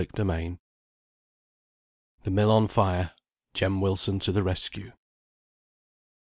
CHAPTER V. THE MILL ON FIRE JEM WILSON TO THE RESCUE.